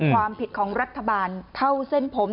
ความผิดของรัฐบาลเข้าเส้นผม